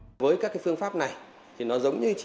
mô thịt của em như thế nào thì mô nảy lên cũng như thế thôi